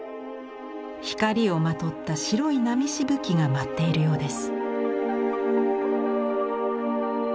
光をまとった白い波しぶきが舞っているようです。